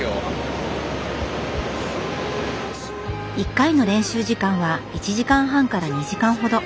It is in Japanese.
一回の練習時間は１時間半から２時間ほど。